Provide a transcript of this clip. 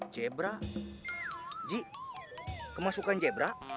jebra ji kemasukan jebra